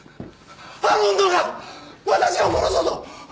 あの女が私を殺そうと！